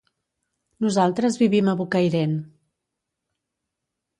Nosaltres vivim a Bocairent.